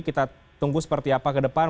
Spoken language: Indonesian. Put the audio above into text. kita tunggu seperti apa ke depan